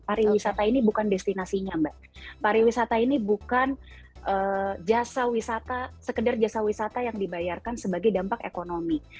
pariwisata ini bukan destinasinya mbak pariwisata ini bukan jasa wisata sekedar jasa wisata yang dibayarkan sebagai dampak ekonomi